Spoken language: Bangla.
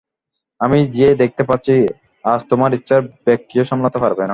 আমি যে, দেখতে পাচ্ছি, আজ তোমার ইচ্ছার বেগ কেউ সামলাতে পারবে না।